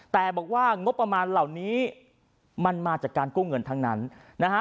แต่บอกว่างบประมาณเหล่านี้มันมาจากการกู้เงินทั้งนั้นนะฮะ